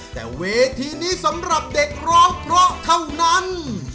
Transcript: แต่เวทีนี้สำหรับเด็กร้องเพราะเท่านั้น